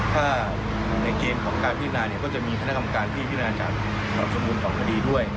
ถ้าในเกณฑ์ของการพิจารณาเนี่ยก็จะมีคณะกรรมการที่พินาจากความสมบูรณ์ของคดีด้วย